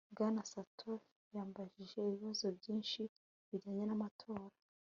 bwana sato yambajije ibibazo byinshi bijyanye n'amatora